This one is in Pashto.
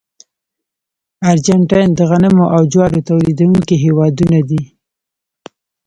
ارجنټاین د غنمو او جوارو تولیدونکي هېوادونه دي.